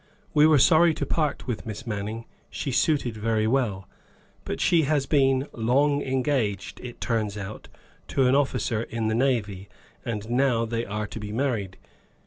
We were sorry to part with Miss Manning; she suited very well. But she has been long engaged, it turns out, to an officer in the navy, and now they are to be married.